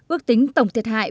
ước tính tổng thiệt hại